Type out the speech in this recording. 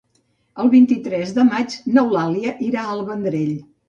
El vint-i-tres de maig n'Eulàlia irà al Vendrell.